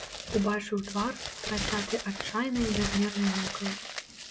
Убачыў твар, працяты адчайнай, бязмернай мукай.